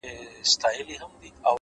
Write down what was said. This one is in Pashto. صداقت د باور بنسټ دی!